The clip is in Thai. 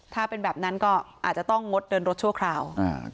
ถ้าเป็นแบบนั้นก็อาจจะต้องงดเดินรถชั่วคราว